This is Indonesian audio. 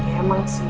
ya emang sih